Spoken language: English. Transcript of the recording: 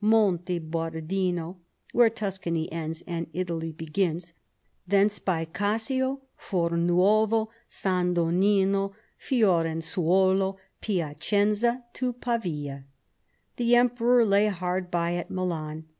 Monte Barduno — "where Tuscany ends and Italy begins," — thence by Cassio, Fornuovo, San Donnino, Fiorensuola, Piacenza, to Pavia. The emperor lay hard by at Milan.